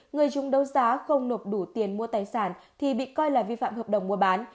người chung đấu giá không nộp đủ tiền mua tài sản thì bị coi là vi phạm hợp đồng mua bán